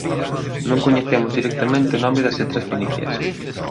Non coñecemos directamente o nome das letras fenicias.